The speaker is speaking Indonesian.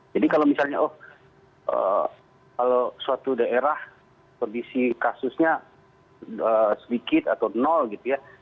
jadi kalau misalnya oh kalau suatu daerah kondisi kasusnya sedikit atau nol gitu ya